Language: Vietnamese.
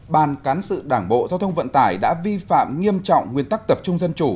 ban cán sự đảng bộ giao thông vận tải đã vi phạm nghiêm trọng nguyên tắc tập trung dân chủ